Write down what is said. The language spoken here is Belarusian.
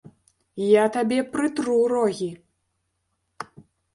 Я табе прытру рогі!